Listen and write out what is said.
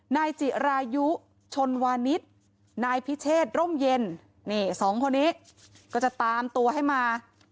นายจิรายุชนวานิสนายพิเชษร่มเย็นนี่สองคนนี้ก็จะตามตัวให้มา